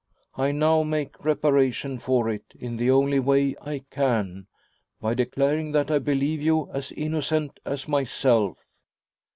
I now make reparation for it in the only way I can by declaring that I believe you as innocent as myself."